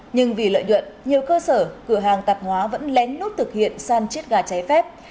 nhưng vì lợi nhuận nhiều cơ sở cửa hàng tạp hóa vẫn lén nút thực hiện sang chiết gà cháy phép